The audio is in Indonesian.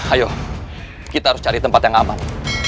ayo kita harus cari tempat yang aman